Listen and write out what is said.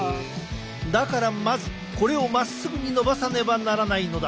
だからまずこれをまっすぐに伸ばさねばならないのだ。